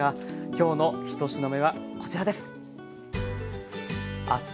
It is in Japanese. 今日の１品目はこちらです。